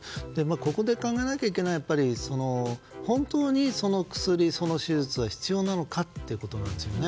ここで考えなきゃいけないのは本当に、その薬その手術は必要なのかということです。